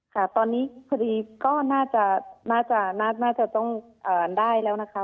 ค่ะตอนนี้คดีก็น่าจะต้องได้แล้วนะคะ